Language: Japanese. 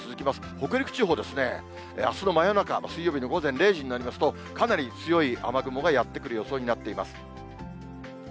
北陸地方ですね、あすの真夜中、水曜日の午前０時になりますと、かなり強い雨雲がやって来る予想になっています。